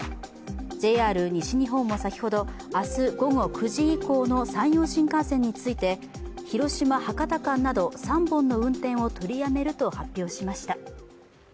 ＪＲ西日本も先ほど明日午後９時以降の山陽新幹線について広島−博多間など３本の運転を取りやめると発表しました。